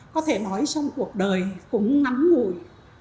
có thể nói trong cuộc đời cũng ngắn ngủi